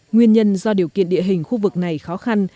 nguyên nhân do điều kiện địa hình khu vực này khó khăn